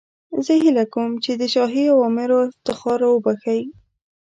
زه هیله کوم چې د شاهي اوامرو افتخار را وبخښئ.